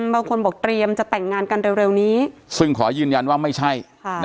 บางคนบอกเตรียมจะแต่งงานกันเร็วนี้ซึ่งขอยืนยันว่าไม่ใช่